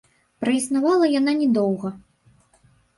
Праіснавала яна не доўга.